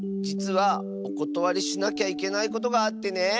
じつはおことわりしなきゃいけないことがあってね。